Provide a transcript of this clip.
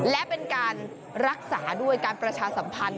และเป็นการรักษาด้วยการประชาสัมพันธ์